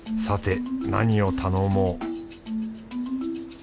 さて何を頼もう